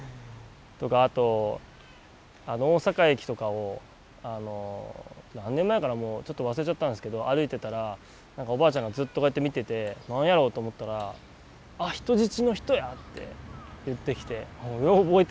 あと大阪駅とかを何年前かなちょっと忘れちゃったんですけど歩いてたらおばあちゃんがずっとこうやって見てて何やろうと思ったらあ人質の人やって言ってきてよう覚えてるなみたいなあったりとか。